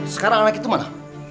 sekarang anak itu mana